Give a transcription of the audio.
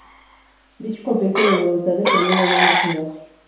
Dicho conflicto de voluntades termina en un desenlace.